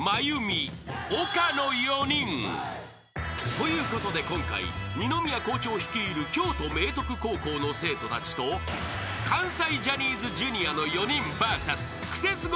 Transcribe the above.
ということで今回二宮校長率いる京都明徳高校の生徒たちと関西ジャニーズＪｒ．の４人ＶＳクセスゴ